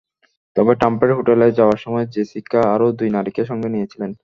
তবে ট্রাম্পের হোটেলে যাওয়ার সময় জেসিকা আরও দুই নারীকে সঙ্গে নিয়েছিলেন।